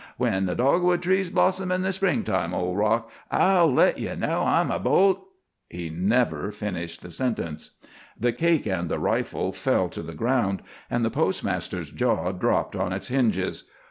"When the dogwood trees blossom in the spring time, old rock, I'll let ye know I'm a bold " He never finished the sentence. The cake and the rifle fell to the ground, and the postmaster's jaw dropped on its hinges.